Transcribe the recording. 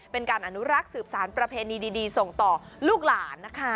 เป็นการอนุรักษ์สืบสารประเพณีดีส่งต่อลูกหลานนะคะ